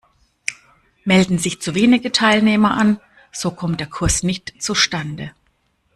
Melden sich zu wenige Teilnehmer an, so kommt der Kurs nicht zustande.